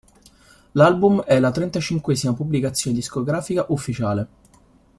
L'album è la trentacinquesima pubblicazione discografica ufficiale.